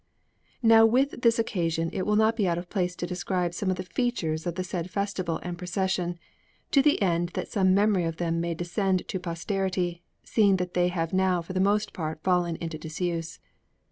Now with this occasion it will not be out of place to describe some of the features of the said festival and procession, to the end that some memory of them may descend to posterity, seeing that they have now for the most part fallen into disuse.